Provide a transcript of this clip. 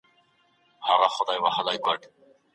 آيا د خلعي په صورت کي ميرمن مصارف پرې کوي؟